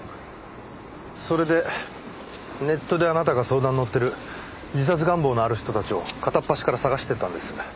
それでネットであなたが相談に乗ってる自殺願望のある人たちを片っ端から探していったんです。